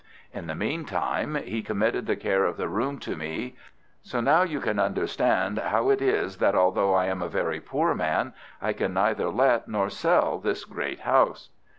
In the meantime, he committed the care of the room to me; so now you can understand how it is that, although I am a very poor man, I can neither let nor sell this great house."